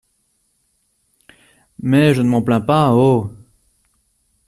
Mais, je ne m’en plains pas, oh !